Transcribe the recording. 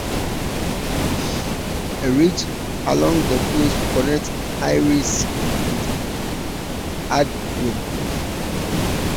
A ridge along the coast connects Eyeries with Ardgroom.